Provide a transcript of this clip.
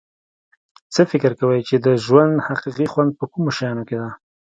څه فکر کوی چې د ژوند حقیقي خوند په کومو شیانو کې ده